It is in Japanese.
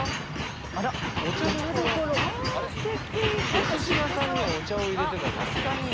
お寿司屋さんにお茶を入れてたりとかしないですか。